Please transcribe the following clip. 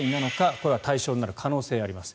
これは対象になる可能性あります。